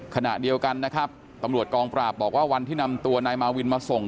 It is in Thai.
ขณะเดียวกันนะครับตำรวจกองปราบบอกว่าวันที่นำตัวนายมาวินมาส่ง